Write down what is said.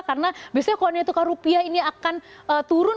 karena biasanya kalau nilai tukar rupiah ini akan turun